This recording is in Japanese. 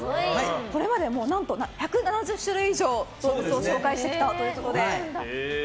これまで何と１７０種類以上の動物を紹介してきたということで。